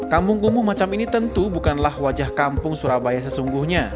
kampung kumuh macam ini tentu bukanlah wajah kampung surabaya sesungguhnya